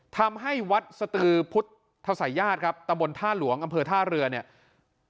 ทำให้วัดสตือพุทธศัยญาติครับตำบลท่าหลวงอำเภอท่าเรือเนี่ย